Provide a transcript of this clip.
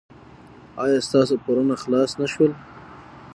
ایا ستاسو پورونه خلاص نه شول؟